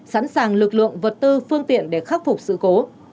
sẵn sàng lực lượng vật tư phương tiện để khắc phục sự cố